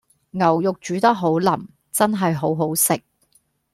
牛肉煮得好腍，真係好好食